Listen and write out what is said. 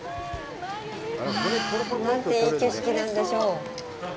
あ、なんていい景色なんでしょう。